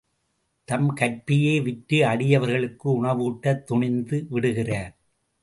தம் கற்பையே விற்று அடியவர்களுக்கு உணவூட்டத் துணிந்து விடுகிறார்.